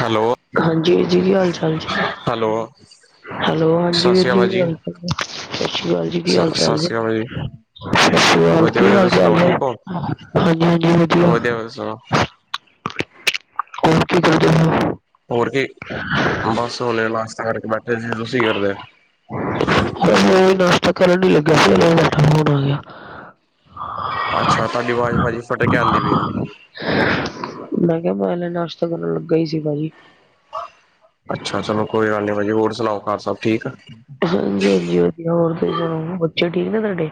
Hello ਹਾਂਜੀ ਜੀ, ਕੀ ਹਾਲ ਚਾਲ ਜੀ? ਹੈਲੋ ਹੈਲੋ, ਹਾਂਜੀ ਸਤਿ ਵੀਰ ਸ਼੍ਰੀ ਜੀ! [inaudible] ਅਕਾਲ ਸਤਿ ਸ਼੍ਰੀ ਅਕਾਲ ਜੀ, ਕੀ ਹਾਲ ਸਤਿ ਚਾਲ ਜੀ? ਸ਼੍ਰੀ ਅਕਾਲ ਸਤ ਸ਼੍ਰੀ ਅਕਾਲ, ਵਧੀਆ ਕੀ ਵਧੀਆ ਤੁਸੀਂ ਹਾਲ-ਚਾਲ ਸੁਣਾਓ ਹੈ? ਠੀਕ ਹੋ ਹਾਂਜੀ-ਹਾਂਜੀ, ਵਧੀਆ। ਜੋ ਹੋਣ ਕੀ ਕਰਦੇ। ਹੋਰ ਕੀ ਬਸ ਹੋਲੇ ਨਾਸ਼ਤਾ ਕਰਕੇ ਬੈਠੇ ਸੀ। ਕੀ ਕਰਦੇ ਉਹ ਵੀ ਨਾਸ਼ਤਾ ਕਰਨ ਨੀ ਲੱਗਿਆ ਸੀ ਫੋ ਆ ਗਿਆ। ਅੱਛਾ ਤੁਹਾਡੀ ਆਵਾਜ਼ ਭਾਜੀ ਫਟ ਕੇ ਆਉਂਦੀ ਪਈ ਆ। ਮੈਂ ਕਿਹਾ ਮੈਂ ਨਾਸ਼ਤਾ ਕਰਨ ਲੱਗਾ ਹੀ ਸੀ ਭਾਜੀ। ਅੱਛਾ ਚਲੋ ਕੋਈ ਗੱਲ ਨੀ ਬਾੀ ਹੋਰ ਸੁਲਾਓ ਘਰ ਸਬ ਠੀਕ ਆ। ਹਾਂਜੀ ਹਾਂਜੀ ਵਧੀਆ ਹੋਰ ਤੁਸੀਂ ਸੁਣੋ ਬੱਚੇ ਠੀਕ ਨੇ ਤੁਹਾਡੇ।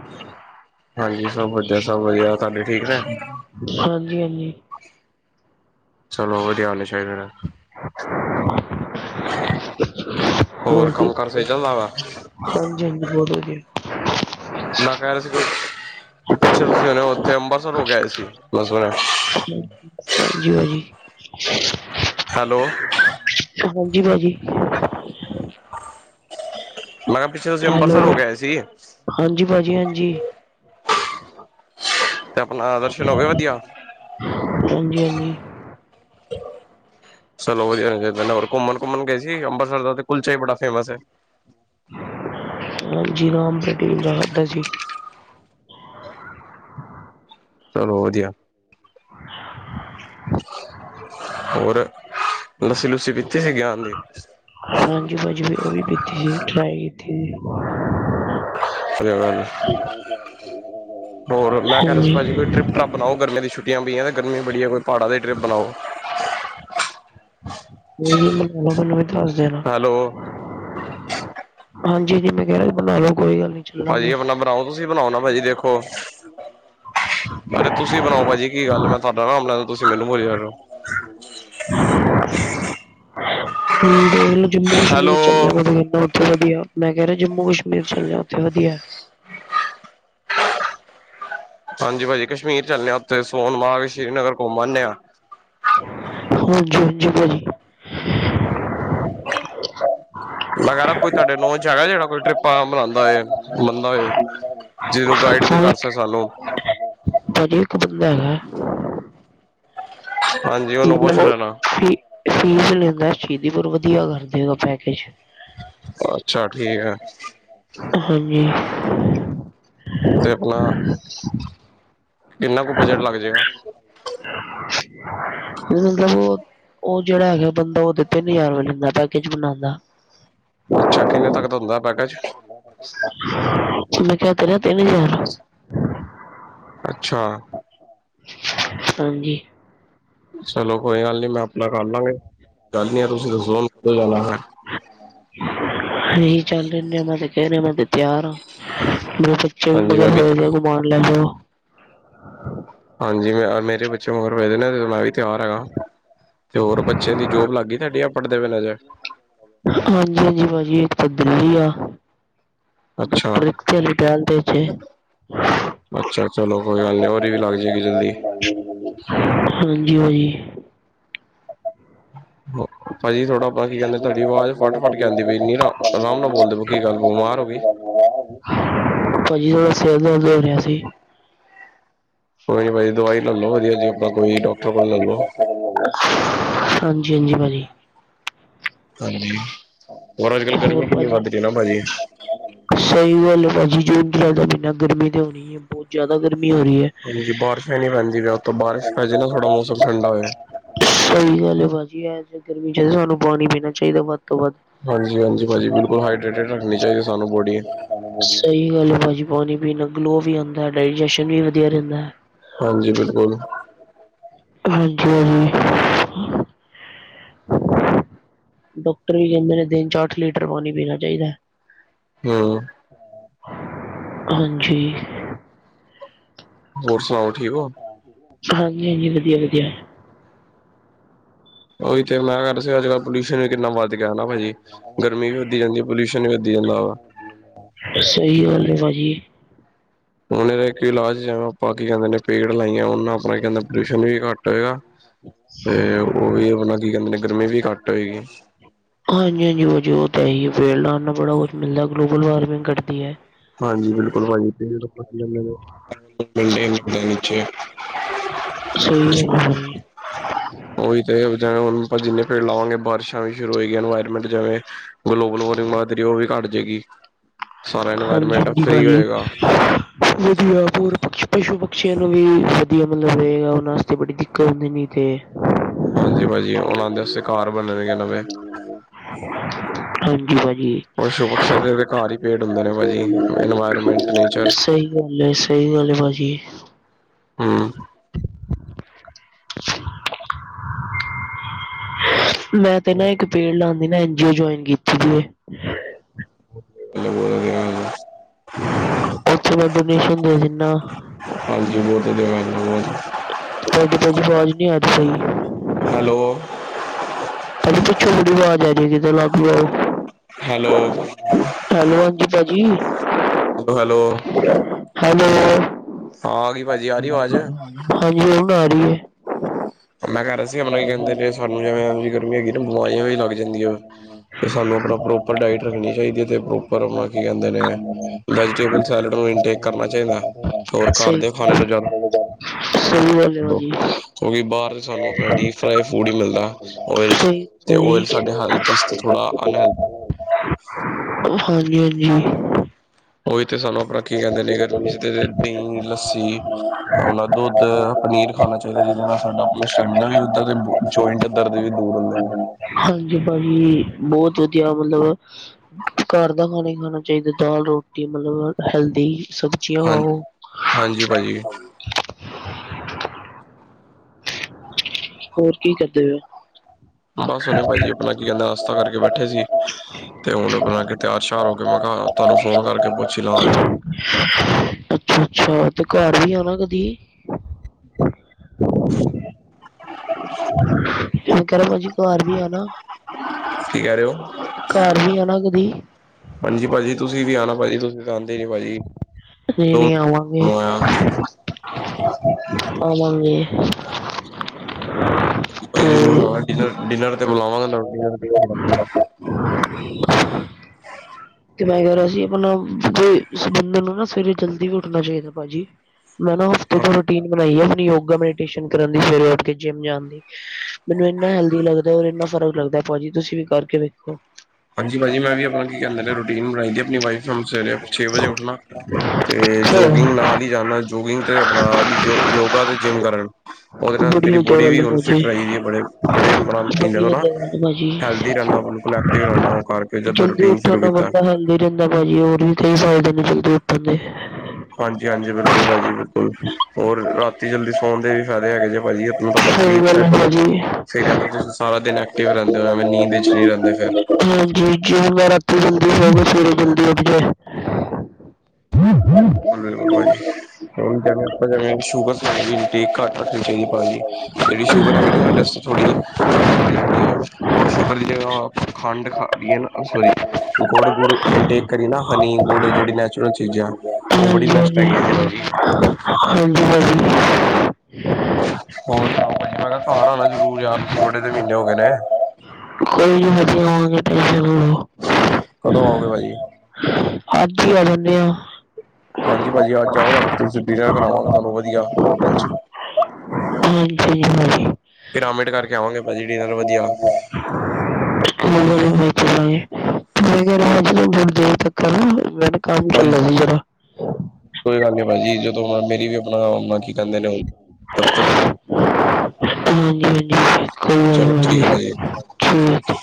ਹਾਂਜੀ ਸਭ ਵਧੀਆ ਸਭ ਵਧੀਆ ਤੁਹਾਡੇ ਠੀਕ ਨੇ। ਹਾਂਜੀ ਹਾਂਜੀ, ਚਲੋ ਵਧੀਆ ਹੋਣਾ ਚਾਹੀਦਾ ਹੋਰ ਕੰਮ ਹਾਂਜੀ ਕਾਰ ਸਹੀ ਚੱਲਦਾ ਵਾ ਹਾਂਜੀ ਬਹੁਤ ਵਧੀਆ। ਨਾ ਕਹਿ ਰਹੇ ਸੀ ਪਿੱਛੇ ਤੁਸੀਂ ਸੁਣੇ ਹੋ ਉੱਥੇ ਅੰਮਬਰਤਸਰ ਹੋ ਗਏ ਸੀ ਬਸਨ ਹਾਂਜੀ, ਹੈਲੋ, ਹਾਂਜੀ ਭਾਜੀ, ਮੈਂ ਕਿਹਾ, ਪਿੱਛੇ ਤੁਸੀਂ ਹੈਲੋ ਅੰਮ੍ਰਿਤਸਰ ਹੋ ਕੇ ਆਏ ਸੀਗੇ? ਹਾਂਜੀ ਭਾਜੀ, ਹਾਂਜੀ! ਤੇ ਆਪਣਾ ਦਰਸ਼ਨ ਹੋ ਗਏ ਵਧੀਆ। ਹਾਂਜੀ ਹਾਂਜੀ, ਚਲ ਓ, ਘੁੰਮਣ ਘੁੰਮ ਗਏ ਸੀ ਅੰਮ੍ਰਿਤਸਰ ਦਾ ਤੇ ਕੁਲਚਾ ਬੜਾ ਫੇਮਸ ਹੈ। ਹਾਂਜੀ ਨਾਮ ਪ੍ਰਦੀਮ ਰਾਹਤ ਦਾ ਜੀ। [unintelligible] ਚਲੋ ਵਧੀਆ ਹੋਰ। ਲੱਸੀ ਲੁੱਸੀ ਪੀਤੀ ਸੀ ਗਿਆਨ ਦੀ। ਹਾਂਜੀ ਹਾਂਜੀ ਉਹ ਵੀ ਪੀਤੀ ਸੀ ਟਰਾਈ ਕੀਤੀ ਸੀ। ਸ ਗੱਲ ਹੋਰ ਮੈਂ ਕਹਿ ਰਿਹਾ ਸੀ ਹਾਂਜੀ। ਭਾਜੀ ਕੋਈ ਟ੍ਰਿਪ ਟਪ ਬਣਾਓ ਗਰਮੀਆਂ ਦੀਆਂ ਛੁੱਟੀਆਂ ਪਈਆਂ ਗਰਮੀ ਬੜੀਆਂਈ ਪਹਾੜਾਂ ਦੀ ਟ੍ਰਿਪ ਬਣਾਓ। ਲ [unintelligible] ਮੈਨੂੰ ਵੀ ਤੁਸੀਂ ਦੱਸ ਦੇਣਾ ਹੈਲੋ, ਹਾਂਜੀ ਹਾਂਜੀ, ਮੈਂ ਕਹਿ ਰਿਹਾ ਬਣਾ ਲਓ ਕੋਈ ਗੱਲ ਨੀ। ਭਾਜੀ ਚੱਲਾਂਗੇ। ਆਪਣਾ ਬਣਾਓ ਤੁਸੀਂ ਬਣਾਓ ਨਾ ਭਾਜੀ ਦੇਖੋ। ਅਰੇ ਤੁਸੀਂ ਬਣਾਓ ਭਾਜੀ ਕੀ ਗੱਲ ਮੈਂ ਤੁਹਾਡਾ ਨਰਾਾਮ ਲੈਂਦਾ ਤੁਸੀਂ ਮੈਨੂੰ ਬੋਲਿਆ ਰ ਹੋ। [unintelligible] ਹੁਣ ਦੇ ਚੁੰਬਲ ਹੈਲੋ ਸ਼ੀਲ ਚੱਲਿਆ ਨਾ ਦੇਣ ਬੋਰਡ। ਵਧੀਆ ਮੈਂ ਕਹਿ ਰਿਹਾ ਜੰਮੂ ਕਸ਼ਮੀਰ ਚੱਲਿਆ ਉੱਥੇ ਵਧੀਆ। ਹਾਂਜੀ ਭਾਜੀ ਕਸ਼ਮੀਰ ਚੱਲਦੇ ਹਾਂ ਉੱਥੇ ਸੋਨ ਮਾਘ ਸ਼੍ਰੀ ਨਗਰ ਘੁੰਮ ਆਉਂਦੇ ਹਾਂ। ਹਾਂਜੀ, ਹਾਂਜੀ ਭਾਜੀ ਮੈਂ ਕਹਿ ਰਿਹਾ ਕੋਈ ਤੁਹਾਡੇ ਲੌਂਚ ਹੈਗਾ ਜਿਹੜਾ ਕੋਈ ਟ੍ਰਿਪਾਂ ਮਨਾਉਂਦਾ ਹੋਏ ਮੰਨਦਾ ਹੋਏ। ਜੀਰੋ ਗਾਈਡ ਵੀ ਹਾਂ ਇੱਕ ਤਰਸੇ ਸਾਨੂੰ ਭਾਜੀ ਇੱਕ ਬੰਦਾ ਹੈਗਾ। ਹਾਂਜੀ ਉਹਨੂੰ ਪੁੱਛ ਲੈਣਾ ਫੀਸ ਲੈਂਦਾ ਛੇਤੀ ਪਰ ਵਧੀਆ ਕਰਦੇ ਪੈਕਜ। ਅੱਛਾ ਠੀਕ ਹੈ। ਹੂ,,, ਤੇ ਉਦਾਂ ਕਿੰਨਾ ਕੁ ਬਜਟ ਲੱਗ ਜਾਏਗਾ। [unintelligible] ਉਹ ਜਿਹੜਾ ਹੈਗਾ ਬੰਦਾ ਉਹਦੇ ਤਿੰਨ ਹਜ਼ਾਰ ਲੈਂਦਾ ਪੈਕਜ ਬਣਾਉਂਦਾ। ਅੱਛਾ ਕਿੰਨੇ ਤੱਕ ਦਾ ਹੁੰਦਾ ਪੈਕੇਜ ਮੁੰਡਾ ਕਹਿ ਕੇ ਗਿਆ ਤਿੰਨ ਹਜ਼ਾਰ। ਅੱਛਾ। ਹਾਂਜੀ। ਚਲੋ ਕੋਈ ਗੱਲ ਨੀ ਮੈਂ ਆਪਣਾ ਕਰ ਲਾਂਗੇ ਗੱਲ ਨੀ ਆ ਤੁਸੀਂ ਰਿਜੋਲਵ ਇੱਕੋ ਹੀ ਗੱਲ ਹੈ। [inaudible] ਅਸੀਂ ਚੱਲ ਲੈਂਦੇ ਆ ਮੈਂ ਤੇ ਕਹਿ ਰਿਹਾ ਮੈਂ ਤੇ ਤਿਆਰ ਹਾਂ ਚਿੰਨ ਹਾਂਜੀ ਮੈਂ ਵੀ ਵਗੈਰਾ ਤੇ ਲੈ ਘੁੰਮਾਉਣ ਲੈ ਲਿਓ ਹਾਂਜੀ ਮੈਂ ਮੇਰੇ ਪਿੱਛੇ ਹੋਰ ਮਗਰੋਂ ਮੈਂ ਵੀ ਤਿਆਰ ਆ ਤੇ ਹੋਰ ਬੱਚਿਆਂ ਦੀ ਜੋਬ ਲੱਗ ਗਈ ਤੁਹਾਡੀ ਪੜ੍ਹਦੇ ਪਏ ਲਾ ਹਾਂਜੀ ਹਾਂਜੀ ਭਾਜੀ ਇੱਕ ਤਾਂ ਦਿੱਲੀ ਆ। ਅੱਛਾ ਗੁਰਪ੍ਰੀਤ ਚੱਲੀ ਟੈਲ ਜੇ ਅੱਛਾ ਚਲੋ ਕੋਈ ਗੱਲ ਨਹੀਂ ਉਹਦੀ ਵੀ ਲੱਗ ਜਾਏਗੀ ਜਲਦੀ। ਹਾਂਜੀ ਭਾਜੀ [unintelligible] ਭਾਜੀ ਥੋੜਾ ਆਪ ਕੀ ਕਹਿੰਦੇ ਤੁਹਾਡੀ ਆਵਾਜ਼ ਫਟ ਫਟ ਕੇ ਆਂਦੀ ਪਈ ਨੀਰਾ ਇੰਨੀ ਆਰਾਮ ਨਾਲ ਬੋਲਦੇ ਕੀ ਗੱਲ ਬਿਮਾਰ ਹੋ ਗਏ ਭਾਜੀ ਉਹ ਸਿਰ ਦਰਦ ਹੋ ਰਿਹਾ ਸੀ। ਕੋਈ ਨੀ ਦਵਾਈ ਲੈ ਲੋ ਵਧੀਆ ਜੀ ਆਪਾਂ ਕੋਈ ਡਾਕਟਰ ਕੋਲ ਲੈ ਲੋ। ਹਾਂਜੀ ਹਾਂਜੀ ਭਾਜੀ। ਹਾਂਜੀ, ਹੋਰ ਅੱਜ ਕੱਲ ਹੋਰ ਗਰਮੀ ਕਿੰਨੀ ਭਾਜੀ ਵੱਧ ਰਹੀ ਨਾ ਭਾਜੀ। ਸਹੀ ਗੱਲ ਹੈ, ਭਾਜੀ ਜੂਨ ਜੁਲਾਈ ਦਾ ਮਹੀਨਾ ਗਰਮੀ ਤਾਂ ਹੋਣੀ ਹੈ ਬਹੁਤ ਜ਼ਿਆਦਾ ਗਰਮੀ ਹੋ ਰਹੀ ਹੈ। ਹਾਂਜੀ ਬਾਰਿਸ਼ ਹੀ ਨਹੀਂ ਪੈਂਦੀ ਉੱਤੋਂ ਬਾਰਸ਼ ਪੈ ਜੇ ਨਾ ਥੋੜਾ ਮੌਸਮ ਠੰਡਾ ਹੋ ਜਾਵੇ। ਸਹੀ ਗੱਲ ਹੈ, ਭਾਜੀ ਜੇ ਗਰਮੀ ਚ ਸਾਨੂੰ ਪਾਣੀ ਪੀਣਾ ਚਾਹੀਦਾ ਵੱਧ ਤੋਂ ਵੱਧ। [inaudible] ਹਾਂਜੀ ਹਾਂਜੀ ਭਾਜੀ ਬਿਲਕੁਲ ਹਾਈਡਰੇਟਡ ਰੱਖਣੀ ਚਾਹੀਦੀ ਸਾਨੂੰ ਬੋਡੀ ਸਹੀ ਗੱਲ ਹੈ ਭਾਜੀ ਪਾਣੀ ਪੀਣ ਨਾਲ ਗਲੋ ਵੀ ਆਉਂਦਾ ਡਾਇਜੈਸ਼ਨ ਵੀ ਵਧੀਆ ਰਹਿੰਦਾ ਹੈ। ਹਾਂਜੀ ਬਿਲਕੁਲ। ਹਾਂਜੀ ਹਾਂਜੀ ਡਾਕਟਰ ਵੀ ਕਹਿੰਦੇ ਨੇ ਦਿਨ ਚਾਰਟ ਲੀਟਰ ਪਾਣੀ ਪੀਣਾ ਚਾਹੀਦਾ ਹੈ। ਹੂ,,, ਹਾਂਜੀ। ਹੋਰ ਸੁਣਾਓ ਠੀਕ ਹੋ। ਹਾਂਜੀ ਹਾਂਜੀ ਵਧੀਆ ਵਧੀਆ ਉਹੀ ਤੇ ਮੈਂ ਕਿਹਾ ਅੱਜ ਕੱਲ ਪੋਲਿਊਸ਼ਨ ਵੀ ਕਿੰਨਾ ਵੱਧ ਗਿਆ ਨਾ ਭਾਜੀ ਗਰਮੀ ਵੀ ਵਧੀ ਜਾਂਦੀ ਆ ਪੋਲਿਊਸ਼ਨ ਵੀ ਵਧੀ ਜਾਂਦਾ ਵਾ ਸਹੀ ਗੱਲ ਹੈ ਭਾਜੀ! ਹੁਣ ਇਹ ਇੱਕ ਇਲਾਜ ਜਾਵੇ ਆਪਾਂ ਕੀ ਕਹਿੰਦੇ ਨੇ ਪੇਡ ਲਾਈਆਂ ਉਹ ਆਪਣਾ ਕਹਿੰਦਾ ਪੋਲਿਊਸ਼ਨ ਵੀ ਘੱਟ ਹੈਗਾ ਤੇ ਉਹ ਵੀ ਆਪਣਾ ਕੀ ਕਹਿੰਦੇ ਨੇ ਗਰਮੀ ਵੀ ਘੱਟ ਹੋਏਗੀ। ਹਾਂਜੀ ਹਾਂਜੀ ਵੋ ਜੀ ਉਹ ਤਾਂ ਹੈ ਹੀ ਹੈ ਪੇੜ ਲਉਣ ਨਾਲ ਬੜਾ ਕੁਛ ਮਿਲਦਾ ਗਲੋਬਲ ਵਾਰਮਿੰਗ ਘਟਦੀ ਹੈ। ਹਾਂਜੀ ਬਿਲਕੁਲ ਭਾਜੀ ਇਹ ਤਾਂ ਪੱਕੀ ਗਲ ਏ। ਸਹੀ ਗੱਲ ਹੈ ਭਾਜੀ [unintelligible] ਉਹੀ ਤੇ ਜਿਵੇਂ ਹੁਣ ਆਪਾ ਜਿੰਨੇ ਪੇਡ ਲਾਵਾਂਗੇ ਬਾਰਿਸ਼ਾ ਵੀ ਸ਼ੁਰੂ ਹੋਏਗੀ ਇਨਵਾਇਰਮੈਂਟ ਜਿਵੇ ਗਲੋਬਲ ਵਾਰਮਿੰਗ ਵਧ ਰਹੀ ਉਹ ਵੀ ਘੱਟ ਜਾਏਗੀ ਸਾਰਾ ਇਨਵਾ [unintelligible] ਭਾਜੀ। ਵਧੀਆ ਹੋਰ ਪਸ਼ੂ ਪਕਸ਼ੀਆਂ ਨੂੰ ਵੀ ਵਧੀਆ ਮਿਲ ਰਹੇ ਆ ਉਹਨਾਂ ਵਾਸਤੇ ਬੜੀ ਦਿ ਕੋਨਮੀ ਤੇ। ਹਾਂਜੀ ਭਾਜੀ ਉਹਨਾਂ ਦੇ ਵਾਸਤੇ ਘਰ ਬਣ ਰਹੇ ਨੇ ਨਵੇ। ਹਾਂਜੀ ਭਾਜੀ। ਪਸ਼ੂ ਪਕਸ਼ੀਆ ਦੇ ਘਰ ਹੀ ਪੇੜ ਹੁੰਦੇ ਨੇ ਭਾਜੀ ਇਨਵਾਇਰਮੈਂਟ ਨੇਚਰ ਸਹੀ ਗੱਲ ਏ, ਸਹੀ ਗੱਲ ਏ ਭਾਜੀ। ਹਮ ਮੈਂ ਤੇ ਨਾ ਇੱਕ ਪੇਡ ਲਾ ਨਾ ਐਨਜੀਓ ਜੁਆਇਨ ਕੀਤੀ ਐ। ਉਥੇ ਮੈਂ ਡੋਨੇਸ਼ਨ ਦੇ ਦਿਨਾ। ਹਾਂਜੀ ਬਹੁਤ ਵਧੀਆ [unintelligible] ਤੁਹਾਡੀ ਭਾਜੀ ਆਵਾਜ਼ ਨੀ ਆ ਰਹੀ ਸਹੀ। ਹੈਲੋ। ਅ ਪੁਛ ਬੜੀ ਆਵਾਜ਼ ਆ ਰਹੀ ਏ ਕਿੱਥੇ ਅਲੱਗ ਆਓ। ਹੈਲੋ ਹੈਲੋ ਹਾਂਜੀ ਭਾਜੀ। ਹੈਲੋ ਹੈਲੋ ਹਾਂ ਹੈਲੋ ਆ ਗਈ ਭਾਜੀ ਆ ਰਹੀ ਆਵਾਜ਼ ਹਾਂਜੀ ਹੁਣ ਆ ਰਹੀ ਹੈ। ਮੈਂ ਕਹਿ ਰਿਹਾ ਸੀ ਆਪਣੇ ਕੀ ਕਹਿੰਦੇ ਨੇ ਸਾਨੂੰ ਜਿਵੇਂ ਗਰਮੀ ਹੈਗੀ ਨਾ ਬਿਮਾਰੀਆ ਵੀ ਲੱਗ ਜਾਂਦੀਆ ਵ। ਤੇ ਸਾਨੂੰ ਆਪਣਾ ਪ੍ਰੋਪਰ ਡਾਇਟ ਰੱਖਣੀ ਚਾਹੀਦੀ ਹੈ ਤੇ ਪ੍ਰੋਪਰ ਆਪਣਾ ਕੀ ਕਹਿੰਦੇ ਨੇ ਵੈਬਲ ਸੈਲਡ ਨੂੰ ਇਨਟੇਕ ਕਰਨਾ ਚਾਹੀਦਾ ਹੋਰ ਘਰ ਸਹੀ, ਦੇ ਖਾਣੇ ਨੂੰ ਜਾਦਾ ਸਹੀ ਗਾਲ ਏ ਭਾਜੀ। ਕਿਉਕਿ ਬਾਰ ਸਾਨੂੰ ਆਪਣਾ ਡੀਪ ਫਰਾਈ ਫੂਡ ਹੀ ਮਿਲਦਾ ਓਇਲ ਚ, ਸਹੀ ਤੇ ਓਇਲ ਭਾਜੀ। ਸਾਡੇ ਹੈਲਥ ਆਸ ਅਤੇ ਥੋ੍ਹਾ ਅਨਹਲ ਹਾਂਜੀ-ਹਾਂਜੀ। ਉਹੀ ਤੇ ਸਾਨੂੰ ਆਪਣਾ ਕੀ ਕਹਿੰਦੇ ਨੇ ਗਰਮੀ ਚ ਤੇ ਦਹੀ, ਲੱਸੀ ਹੁਣ ਏਹ ਦੁੱਧ ਪਨੀਰ ਖਾਣਾ ਚਾਹੀਦਾ ਜਿਹਦੇ ਨਾਲ ਸਾਡਾ ਆਪਣਾ ਸਟੈਮੀਨਾ ਵੀ ਵਧਦਾ ਤੇ ਜਇੰਟ ਦਰਦ ਵੀ ਦੂਰ ਹੁੰਦਾ। ਹਾਂਜੀ ਭਾਜੀ ਬਹੁਤ ਵਧੀਆ ਮਤਲਬ ਘਰ ਦਾ ਖਾਣਾ ਹੀ ਖਾਣਾ ਚਾਹੀਦਾ ਦਾਲ, ਰੋਟੀ ਮਤਲਬ ਹੈਲਦੀ ਸਭ ਹਾਂ ਹਾਂਜੀ ਭਾਜੀ। ਹੋਰ ਕੀ ਕਰਦੇ ਪਏ ਹੋ। ਬਸ ਉਹਨੇ ਭਾਜੀ ਆਪਣਾ ਨਾਸ਼ਤਾ ਕਰਕੇ ਬੈਠੇ ਸੀ ਤੇ ਹੁਣ ਆਪਣਾ ਕੇ ਤਿਆਰ ਸ਼ਿਆਰ ਹੋ ਕੇ ਮੈਂ ਕਿਹਾ ਤੁਹਾਨੂੰ ਫੋਨ ਕਰਕੇ ਪੁੱਛ ਪੂਛ ਲਾ ਹਾਲ ਚਾ ਅੱਛਾ-ਅੱਛਾ ਤੇ ਘਰ ਵੀ ਆਨਾ ਕਦੀ। ਮ ਕਹਿ ਰਾਹ ਭਾਜੀ ਘਰ ਵੀ ਆਨਾ। ਕੀ ਕਹਿ ਰਹੇ ਹੋ ਘਰ ਵੀ ਆਨਾ ਕਦੀ। ਹਾਂਜੀ ਭਾਜੀ ਤੁਸੀ ਵੀ ਆਣਾ ਭਾਜੀ ਤੁਸੀ ਤਾ ਆਦੇ ਨੀ ਭਾਜੀ। ਦੋ ਨਹੀ-ਨਈ ਮਹੀਨੇ ਹੋ ਗਏ ਆਵਾਂਗੇ, ਤੁਹਾਨੂੰ ਆਇਆ ਹਾਂਜੀ ਆਵਾਂਗੇ। ਭਾਜੀ ਜਰੂਰ ਆਉਣਾ ਡਿਨ ਡਿਨਰ ਤੇ ਬੁਲਾਵਾਂਗੇ [unintelligible] ਤੇ ਮੈਂ ਕਹਿ ਰਿਹਾ ਸੀ ਆਪਣਾ ਸ ਬੰਦੇ ਨੂੰ ਨਾ ਸਵੇਰੇ ਜਲਦੀ ਉੱਠਣਾ ਚਾਹੀਦਾ ਭਾਜੀ। ਮੈਂ ਨਾ ਹਫ਼ਤੇ ਤੋ ਰੂਟੀਨ ਬਣਾਈ ਹੈ ਆਪਣੀ ਯੋਗਾ ਮੈਡੀਟੇਸ਼ਨ ਕਰਨ ਦੀ ਸਵੇਰੇ ਉੱਠ ਕੇ ਜਿੰਮ ਜਾਨ ਦੀ। ਮੈਨੂੰ ਇੰਨਾ ਹੈਲਦੀ ਲੱਗਦਾ ਔਰ ਇੰਨਾ ਫਰਕ ਲੱਗਦਾ ਭਾਜੀ ਤੁਸੀ ਵੀ ਕਰਕੇ ਵੇਖੋ। ਹਾਂਜੀ ਭਾਜੀ ਮੈਂ ਵੀ ਆਪਣਾ ਕੀ ਕਹਿੰਦਾ ਰੂਟੀਨ ਬਣਾਈ ਦੀ ਅਪਨੀ ਵਾਈਫ ਨਾਲ ਸਵੇਰੇ ਛੇ ਵਜੇ ਉੱਠਣਾ। ਤੇ ਜੋਗਿੰਗ ਨਾਲ ਹੀ ਜਾਨਾ ਜੋਗਿੰਗ ਤੇ ਆਪਣਾ ਯ ਯੋਗਾ ਤੇ ਜਿੰਮ ਕਰਨ। ਉਹਦੇ ਨਾਲ ਬੜੀ ਮੇਰੀ ਵਧੀਆ ਬੋਡੀ ਗੱਲ ਵੀ ਹੈ ਫਿਟ ਭਾਜੀ। ਰ ਹੈ ਬੜੇ ਮ ਮਹੀਨੇ ਬੜੀ ਤੋਂ ਵਧੀਆ ਨਾ। [unintelligible] ਗੱਲ ਭਾਜੀ ਹੈਲਦੀ ਰਹਿੰਦਾ ਬਿਲਕੁਲ ਐ ਜਲਦੀ ਉਠ ਲ ਬ [unintelligible] ਹਲਦੀ ਰਹਿੰਦਾ ਭਾਜੀ ਹੋਰ ਵੀ ਕਈ ਫਾਇਦੇ ਨੇ ਜਲਦੀ ਉੱਠਣ ਦੇ। ਹਾਂਜੀ ਹਾਂਜੀ ਬਿਲਕੁਲ ਭਾਜੀ ਬਿਲਕੁਲ ਹੋਰ ਰਾਤੀ ਜਲਦੀ ਫੋਨ ਦੇ ਵੀ ਫਾਇਦੇ ਹੈਗੇ ਜੇ ਭਾਜੀ ਤੁਡਾਹਾ ਸਹੀ ਸਲੀਪ ਗੱਲ ਹੈ ਸਾਈਕਲ ਭਾਜੀ ਸਹੀ ਰਹਿੰਦਾ ਤੁਸੀਂ ਸਾਰਾ ਦਿਨ ਐਕਟਿਵ ਰਹਿੰਦੇ ਹੋ ਐਵੇਂ ਨੀਂਦ ਵਿੱਚ ਨਹੀਂ ਰਹਿੰਦੇ ਫਿਰ ਹਾਂਜੀ ਜਿਵੇਂ ਮੈਂ ਰਾਤੀ ਜਾਂਦੀ ਸ ਸਵੇਰੇ ਜਲਦੀ ਉਠਜੇ [unintelligible] ਕੋਵਾ ਜੀ। [unintelligible] ਹੁਣ ਜਿਵੇ ਆਪਾਂ ਜਿਵੇਂ ਸ਼ੂਗਰ ਖ ਘੱਟ ਰੱਖਣੀ ਚਾਹੀਦੀ। [unintelligible] ਜਿਹੜੀ ਸ਼ੂਗਰ ਹੈਗੀ ਨਾ ਸਾਡੇ ਵਾਸਤੇ ਥੋੜ੍ਹੀ ਅਨਹਲਦੀ ਹੈਗੀ ਹੈ ਉਹਰ ਸ਼ੂਗਰ ਦੀ ਜਾ ਖੰਡ ਖਾ ਲਈਏ ਨਾ ਗੁੜ [unintelligible] ਗੁੜ ਇੰਟੇਕ ਕਰੀਏ ਨਾ ਹਨੀ ਗੁੜ ਜਿਹੜੀ ਨੈਚ ਰਲ ਚੀਜ਼ਾਂ ਉਹ ਬੜੀ ਹਾਂਜੀ ਬੈਸਟ ਹਾਂਜੀ ਹੈਗੀਆਂ ਜ ਹਾਂਜੀ ਭਾਜੀ। ਹੋਰ ਸੁਣਾਓ ਭਾਜੀ ਮੈਂ ਕਿਹਾ ਸਾਰਾ [unintelligible] ਨਾ ਜ਼ਰੂਰ ਯਾਰ ਤੁਸੀਂ ਡੇ ਤੇ ਮਹੀਨੇ ਹੋ ਗਏ ਨੇ। [unintelligible] ਕਦੋਂ ਆਉਗੇ ਭਾਜੀ? ਅੱਜ ਹੀ ਆ ਜਾਨੇ ਆ ਹਾਂਜੀ ਭਾਜੀ ਅੱਜ ਜਾਓ ਰਾਤੀ ਤੁਸੀਂ ਡੀਨਰ ਕਰਾਵਾਂਗਾ ਤੁਹਾਨੂੰ ਵਧੀਆ ਹੋਟਲ ਚ [unintelligible] [unintelligible] ਪਿਰਾਮਿਡ ਕਰਕੇ ਆਵਾਂਗੇ ਭਾਜੀ ਡਿਨਰ ਵਧੀਆ। ਹੋ ਬੁਰ ਦੇ ਤੱਕ ਨਾ [unintelligible] ਕੰਮ ਹਾਂਜੀ ਚੱਲਦਾ ਸੀ ਜਰਾ ਕੋਈ ਗੱਲ ਨੀ ਭਾਜੀ ਜਦੋਂ ਮਰ ਵੀ ਆਪਣਾ ਕੀ ਕਹਿੰਦੇ ਨੇ ਉਹ ਹਾਂਜੀ ਹਾਂਜੀ ਕੋਈ ਚਲੋ ਗੱਲ ਠੀਕ ਨੀ ਹੈ ਭਾਜੀ ਛੇਤੀ